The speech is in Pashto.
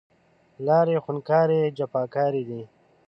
لارې خونکارې، جفاکارې دی